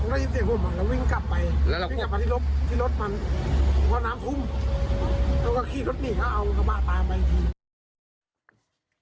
แล้วก็ขี่รถหนีเอากระบะตามไปอีกที